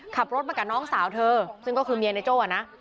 ขับรถมากับน้องสาวเธอซึ่งก็คือเมียในโจ้ะนะ